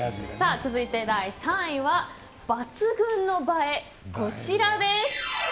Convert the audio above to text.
続いて第３位は抜群の映え、こちらです。